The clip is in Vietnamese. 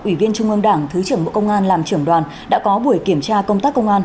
ủy viên trung ương đảng thứ trưởng bộ công an làm trưởng đoàn đã có buổi kiểm tra công tác công an